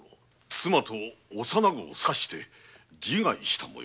妻と幼子を刺して自害した模様。